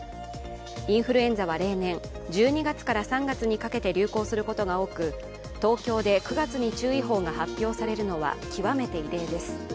インフルエンザは例年、１２月から３月にかけて流行することが多く、東京で９月に注意報が発表されるのは極めて異例です。